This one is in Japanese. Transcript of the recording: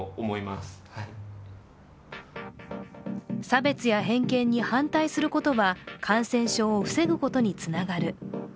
差別や偏見に反対することは感染症を防ぐことにつながる。